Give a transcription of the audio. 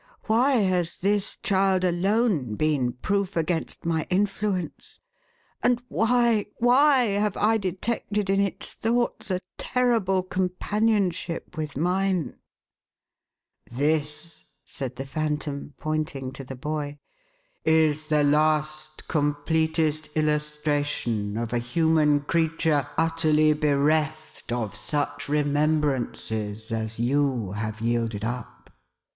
Why has this child alone been proof against my influence, and why, why, have I detected in its thoughts a terrible companionship with mine ?"" This," said the Phantom, pointing to the boy, " is the last, completest illustration of a human creature, utterly bereft of such remembrances as you have yielded up.